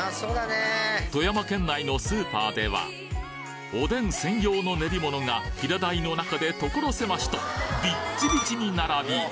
富山県内のスーパーではおでん専用の練り物が平台の中でところ狭しとびっちびちに並び